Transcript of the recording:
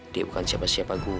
dia bukan siapa siapa gue